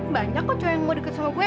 banyak kok cuma yang mau deket sama gue